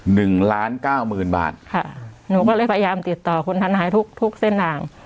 หนึ่งล้านเก้าหมื่นบาทค่ะหนูก็เลยพยายามติดต่อคุณทันหายทุกทุกเส้นทาง